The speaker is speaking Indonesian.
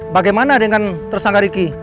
bagaimana dengan tersangka ricky